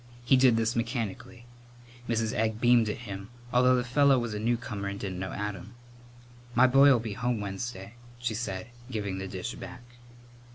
He did this mechanically. Mrs. Egg beamed at him, although the fellow was a newcomer and didn't know Adam. "My boy'll be home Wednesday," she said, giving the dish back.